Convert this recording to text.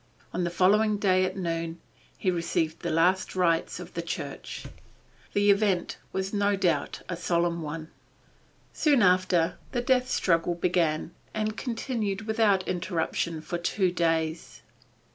On the following day at noon, he received the last rites of the church. The event was no doubt a solemn one. Soon after, the death struggle began, and continued without interruption for two days.